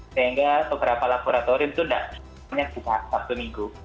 sehingga beberapa laboratorium itu tidak semuanya buka sabtu minggu